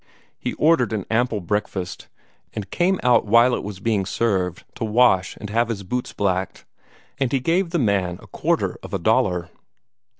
He ordered an ample breakfast, and came out while it was being served to wash and have his boots blacked, and he gave the man a quarter of a dollar.